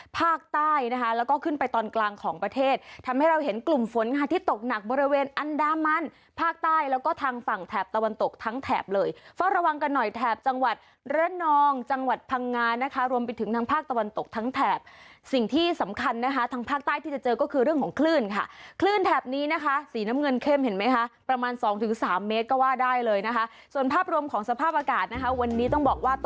ภาคใต้แล้วก็ทางฝั่งแถบตะวันตกทั้งแถบเลยเฝ้าระวังกันหน่อยแถบจังหวัดระนองจังหวัดพังงานนะคะรวมไปถึงทางภาคตะวันตกทั้งแถบสิ่งที่สำคัญนะคะทางภาคใต้ที่จะเจอก็คือเรื่องของคลื่นค่ะคลื่นแถบนี้นะคะสีน้ำเงินเข้มเห็นไหมคะประมาณสองถึงสามเมตรก็ว่าได้เลยนะคะส่วนภาพรวมของสภาพอากา